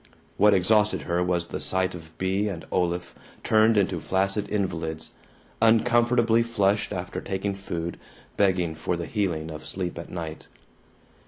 What exhausted her was the sight of Bea and Olaf turned into flaccid invalids, uncomfortably flushed after taking food, begging for the healing of sleep at night.